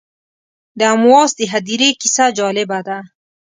د امواس د هدیرې کیسه جالبه ده.